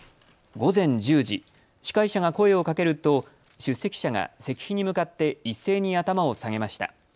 午前１０時、司会者が声をかけると出席者が石碑に向かって一斉に頭を下げました。